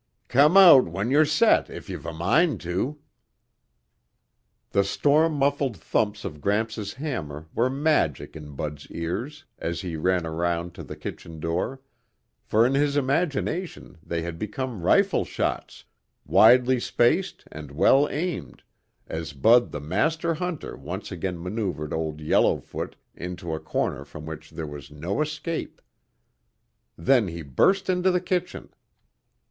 "Come out when you're set if you've a mind to." The storm muffled thumps of Gramps' hammer were magic in Bud's ears as he ran around to the kitchen door, for in his imagination they had become rifle shots, widely spaced and well aimed, as Bud the master hunter once again maneuvered Old Yellowfoot into a corner from which there was no escape. Then he burst into the kitchen.